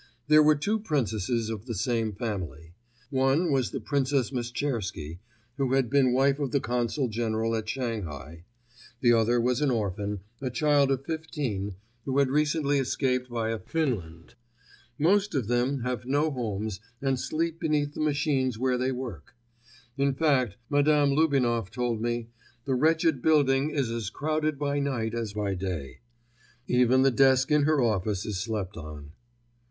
There were two princesses of the same family. One was the Princess Meschersky, who had been wife of the Consul General at Shanghai; the other was an orphan, a child of fifteen, who had recently escaped via Finland. Most of them have no homes and sleep beneath the machines where they work. In fact, Madame Lubinoff told me, the wretched building is as crowded by night as by day. Even the desk in her office is slept on.